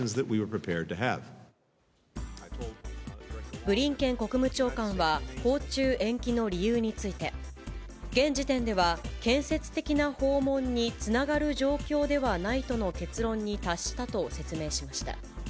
ブリンケン国務長官は訪中延期の理由について、現時点では、建設的な訪問につながる状況ではないとの結論に達したと説明しました。